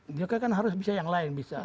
mereka kan harus bisa yang lain bisa